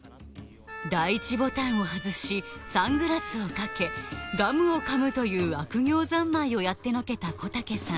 第一ボタンをはずしサングラスをかけガムをかむという悪行三昧をやってのけた小竹さん